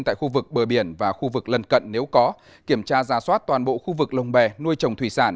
tại khu vực bờ biển và khu vực lân cận nếu có kiểm tra ra soát toàn bộ khu vực lồng bè nuôi trồng thủy sản